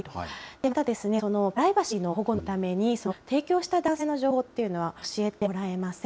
また、プライバシーの保護のために、提供した男性の情報というのは教えてもらえません。